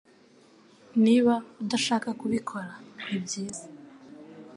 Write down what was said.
Niba udashaka kubikora nibyiza